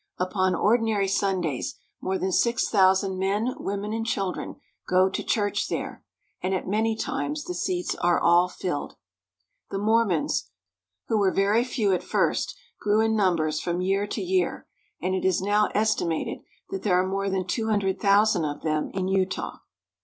Upon ordinary Sundays more than six thousand men, women, and children go to church there, and at many times the seats are all filled. The Mormons, who were very few at first, grew in numbers from year to year, and it is now estimated that there are more than two hundred thousand of them in Utah.